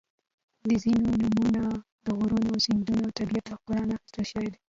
• ځینې نومونه د غرونو، سیندونو او طبیعت له ښکلا نه اخیستل شوي دي.